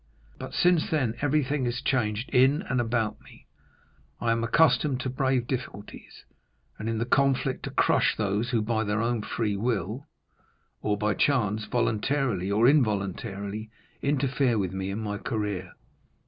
But since then everything has changed in and about me; I am accustomed to brave difficulties, and, in the conflict to crush those who, by their own free will, or by chance, voluntarily or involuntarily, interfere with me in my career.